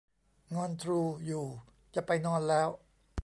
งอนทรูอยู่ จะไปนอนแล้ว